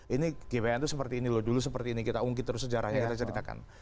ini gbhn itu seperti ini loh dulu seperti ini kita ungkit terus sejarahnya kita ceritakan